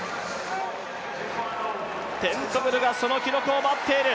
テントグルがその記録を待っている。